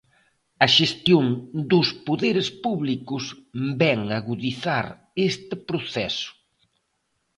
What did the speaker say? A xestión dos poderes públicos vén agudizar este proceso.